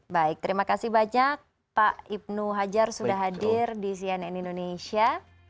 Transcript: baik terima kasih banyak pak ibnu hajar sudah hadir di cnn indonesia